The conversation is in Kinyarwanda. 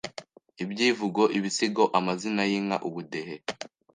ibyivugo, ibisigo, amazina y’inka, ubudehe